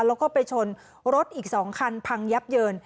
แล้วก็ไปชนรถอีก๒คันพังยับเยิน